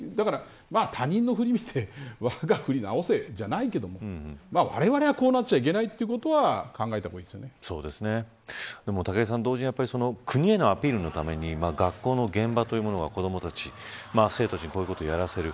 他人のふりして、わがふり直せではありませんがわれわれはこうなってはいけないということを武井さん、同時に国へのアピールのために学校という現場が生徒たちにこういうことやらせる。